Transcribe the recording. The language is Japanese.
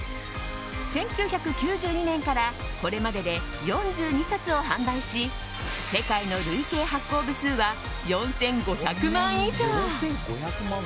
１９９２年からこれまでで４２冊を販売し世界の累計発行部数は４５００万以上。